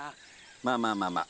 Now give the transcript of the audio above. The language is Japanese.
まあまあまあまあ